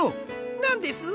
なんです？